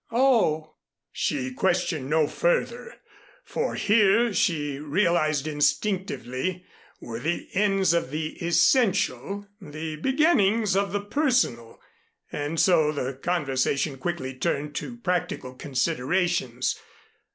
"Oh." She questioned no further; for here, she realized instinctively, were the ends of the essential, the beginnings of the personal. And so the conversation quickly turned to practical considerations.